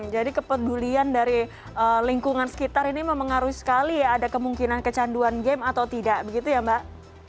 jadi kepedulian dari lingkungan sekitar ini memang mengaruhi sekali ya ada kemungkinan kecanduan game atau tidak begitu ya mbak